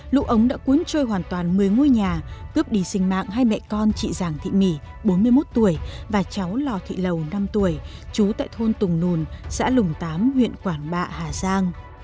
lũ ống đã cuốn trôi hoàn toàn một mươi ngôi nhà cướp đi sinh mạng hai mẹ con chị giàng thị mỉ bốn mươi một tuổi và cháu lò thị lầu năm tuổi trú tại thôn tùng nùn xã lùng tám huyện quảng bạ hà giang